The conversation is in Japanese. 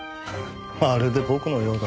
まるで僕のようだ。